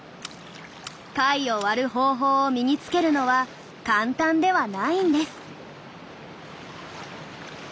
貝を割る方法を身につけるのは簡単ではないんです。